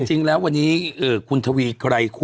จริงแล้ววันนี้คุณทวีไกรคุ